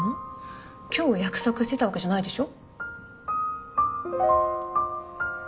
今日約束してたわけじゃないでしょ。